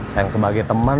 sayang sebagai teman